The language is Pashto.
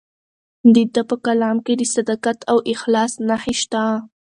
د ده په کلام کې د صداقت او اخلاص نښې شته.